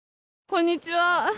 こんにちは。